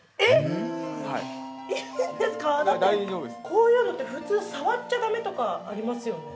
こういうのって普通触っちゃだめとかありますよね。